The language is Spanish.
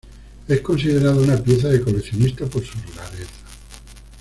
Es considerada una pieza de coleccionista por su rareza.